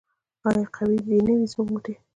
آیا قوي دې نه وي زموږ مټې؟